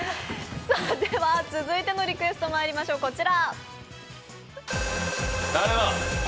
続いてのリクエストにまいりましょう、こちら。